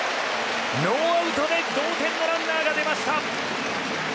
ノーアウトで同点のランナーが出ました。